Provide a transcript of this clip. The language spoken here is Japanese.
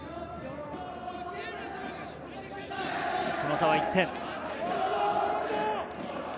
その差は１点。